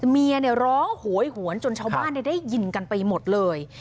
เมียร้องโหยหวนจนชาวบ้านได้ยินกันไปหมดเลย